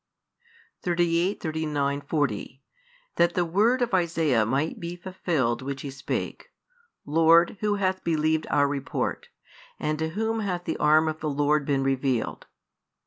38, 39, 40 That the word of Isaiah might be fulfilled, which he spake, Lord, who hath believed our report? And to whom hath the arm of the Lord been revealed?